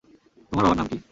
তোমার বাবার নাম কী?